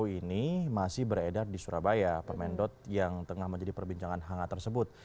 ini masih beredar di surabaya permendot yang tengah menjadi perbincangan hangat tersebut